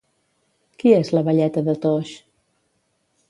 Qui és la velleta de Toix?